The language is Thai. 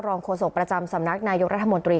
รองควสกประจำสำนักนายรัฐมนตรี